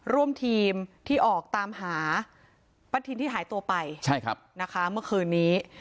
ร่วมทีมที่ออกตามหาป้าทินที่หายตัวไปใช่ครับนะคะเมื่อคืนนี้